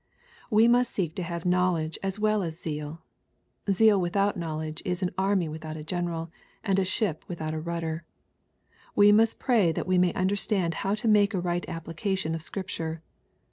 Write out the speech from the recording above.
We must seek to have knowledge as well as zeaL Zeal without knowledge is an army without a general, and a ship without a rudder. We must pray that we may understand how to make a right application of Scripture.